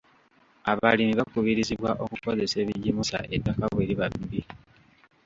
Abalimi bakubirizibwa okukozesa ebigimusa ettaka bwe liba bbi.